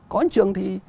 có trường thì